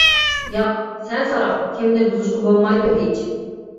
ياق. سەن ساراڭ، كېمىنى بۇزۇشقا بولمايدۇ ھېچ.